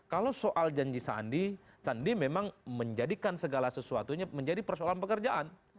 kalau soal janji sandi sandi memang menjadikan segala sesuatunya menjadi persoalan pekerjaan